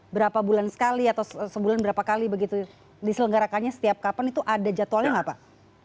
berapa bulan sekali atau sebulan berapa kali begitu diselenggarakannya setiap kapan itu ada jadwalnya nggak pak